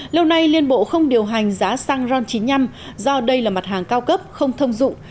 lâu nay liên bộ không điều hành giá xăng ron chín mươi năm do đây là mặt hàng cao cấp không thông dụng